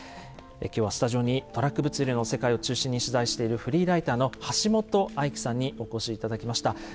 今日はスタジオにトラック物流の世界を中心に取材しているフリーライターの橋本愛喜さんにお越し頂きました。